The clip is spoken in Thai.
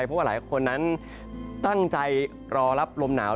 เพราะว่าหลายคนนั้นตั้งใจรอรับลมหนาว